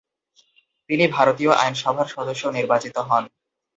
তিনি ভারতীয় আইনসভার সদস্য নির্বাচিত হন।